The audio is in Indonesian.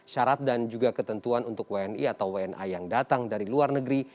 syarat dan juga ketentuan untuk wni atau wna yang datang dari luar negeri